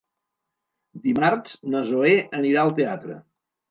Dimarts na Zoè anirà al teatre.